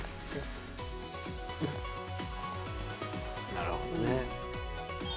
なるほどね。